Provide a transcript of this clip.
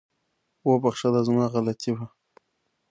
وبخښه، دا زما غلطي وه